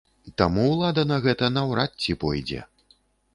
Таму ўлада на гэта наўрад ці пойдзе.